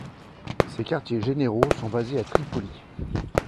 Ses quartiers-généraux sont basés à Tripoli.